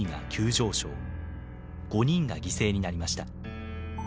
５人が犠牲になりました。